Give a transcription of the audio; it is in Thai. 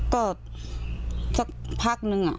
ก็สักพักนึง